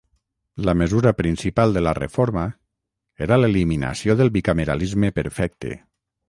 La mesura principal de la reforma era l’eliminació del bicameralisme perfecte.